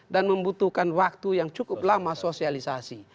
dan membutuhkan waktu yang cukup lama sosialisasi